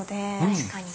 確かに。